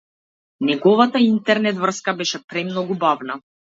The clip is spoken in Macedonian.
Неговата интернет-врска беше премногу бавна.